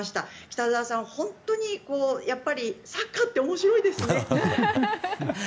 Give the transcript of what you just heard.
北澤さん、本当にサッカーって面白いですね！